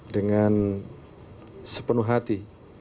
dengan sepenuh hati